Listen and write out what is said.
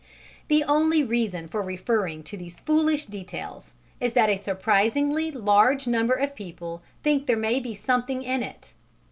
The only reason for referring to these foolish details is that a surprisingly large number of people think there may be "something in it."